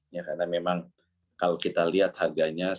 karena memang kalau kita lihat harganya